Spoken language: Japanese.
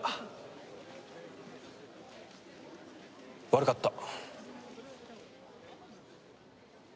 悪かった。